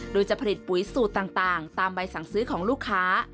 โดยจะผลิตปุ๋ยสูตรต่างตามใบสั่งซื้อของลูกค้า